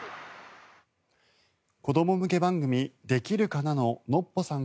子ども向け番組「できるかな」のノッポさん